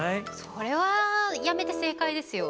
それは辞めて正解ですよ。